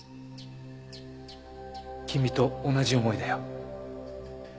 君と同じ思いだよ。